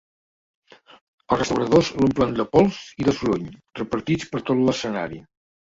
Els restauradors l'omplen de pols i de soroll, repartits per tot l'escenari.